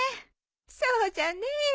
そうじゃねえ。